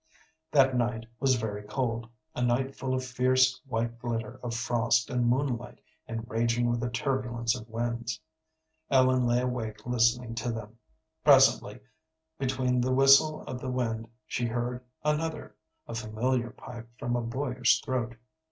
That night was very cold, a night full of fierce white glitter of frost and moonlight, and raging with a turbulence of winds. Ellen lay awake listening to them. Presently between the whistle of the wind she heard another, a familiar pipe from a boyish throat.